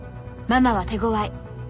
ママは手ごわい。